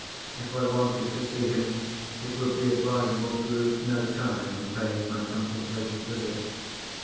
If I wanted to see him, it would be advisable to lose no time in paying my contemplated visit.